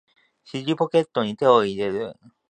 尻ポケットに手を入れる